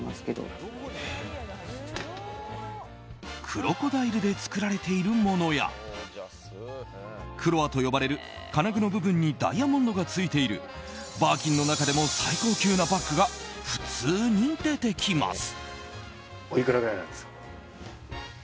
クロコダイルで作られているものやクロアと呼ばれる金具の部分にダイヤモンドがついているバーキンの中でも最高級なバッグが普通に出てきます。